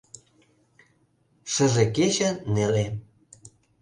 Шыже кече неле.